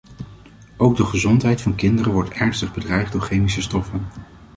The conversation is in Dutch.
Ook de gezondheid van kinderen wordt ernstig bedreigd door chemische stoffen.